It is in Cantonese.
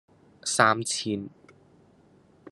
三千